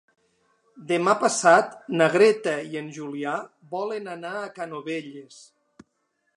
Demà passat na Greta i en Julià volen anar a Canovelles.